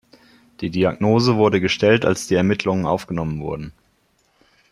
Die Diagnose wurde gestellt, als die Ermittlungen aufgenommen wurden.